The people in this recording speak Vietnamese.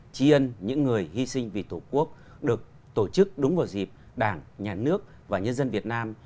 chi ân những người hy sinh vì tổ quốc được tổ chức đúng vào dịp đảng nhà nước và nhân dân việt nam